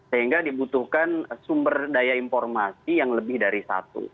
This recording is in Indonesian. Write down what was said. sehingga dibutuhkan sumber daya informasi yang lebih dari satu